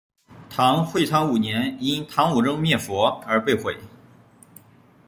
唐会昌五年因唐武宗灭佛而被毁。